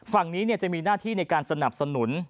ฝั่งนี้จะมีหน้าที่ในการสนับสนุน